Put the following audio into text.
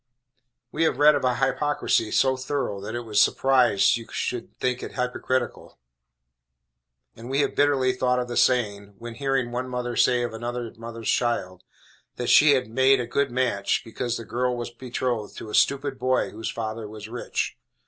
We have read of a hypocrisy so thorough, that it was surprised you should think it hypocritical: and we have bitterly thought of the saying, when hearing one mother say of another mother's child, that she had "made a good match," because the girl was betrothed to a stupid boy whose father was rich.